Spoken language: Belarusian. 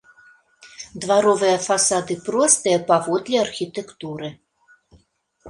Дваровыя фасады простыя паводле архітэктуры.